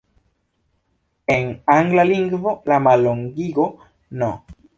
En angla lingvo, la mallongigo "No.